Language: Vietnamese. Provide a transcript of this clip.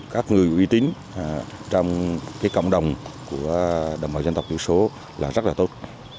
các người uy tín trong cái cộng đồng của đồng bào nhân tộc tỷ số là rất là tốt